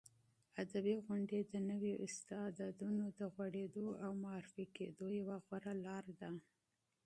ادبي غونډې د نویو استعدادونو د غوړېدو او معرفي کېدو یوه غوره لاره ده.